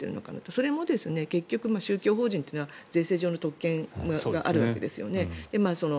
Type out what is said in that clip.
それも結局、宗教法人というのは税制上の特権があるわけですよね。